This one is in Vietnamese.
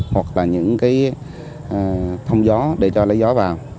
hoặc là những cái thông gió để cho lấy gió vào